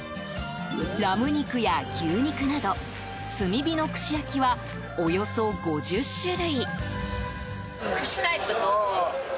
ラム肉や牛肉など炭火の串焼きはおよそ５０種類。